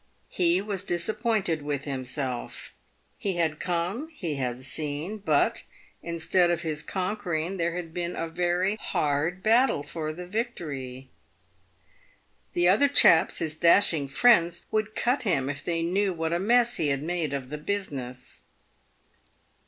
He was dis appointed with himself. He had come, he had seen, but, instead of his conquering, there had been a very hard battle for the victory. The other chaps — his dashing friends — would cut him if they knew what a mess he had made of the business.